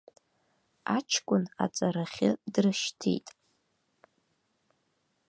Аҷкәын аҵарахьы дрышьҭит.